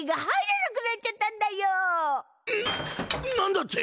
んっなんだって！？